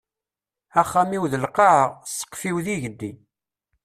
Axxam-iw d lqaɛa, sqef-iw d igenni.